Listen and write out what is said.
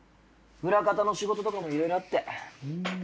裏方の仕事とかもいろいろあって。